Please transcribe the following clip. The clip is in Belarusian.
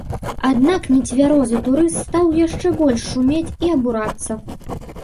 Аднак нецвярозы турыст стаў яшчэ больш шумець і абурацца.